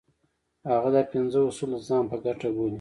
هغه دا پنځه اصول د ځان په ګټه بولي.